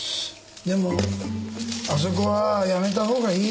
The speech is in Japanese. でもあそこはやめた方がいい。